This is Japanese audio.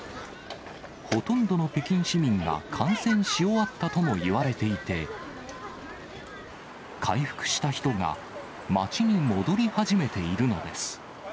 ほとんどの北京市民が感染し終わったともいわれていて、回復した人が街に戻り始めているのです。